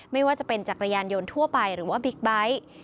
ไม่ว่าจะเป็นจักรยานยนต์ทั่วไปหรือว่าบิ๊กไบท์